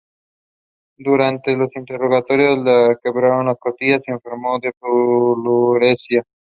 Durante el interrogatorio le quebraron dos costillas y enfermó de pleuresía.